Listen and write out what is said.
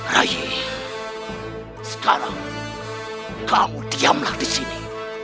ray sekarang kamu diamlah di sini